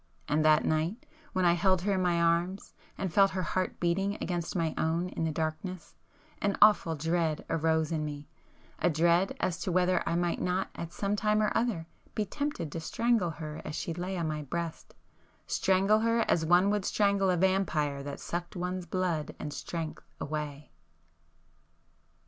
And that night, when I held her in my arms, and felt her heart beating against my [p 312] own in the darkness, an awful dread arose in me,—a dread as to whether I might not at some time or other be tempted to strangle her as she lay on my breast——strangle her as one would strangle a vampire that sucked one's blood and strength away!